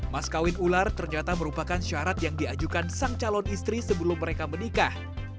maskawin ular ternyata merupakan syarat yang diajukan sang calon istri sebelum mereka menikah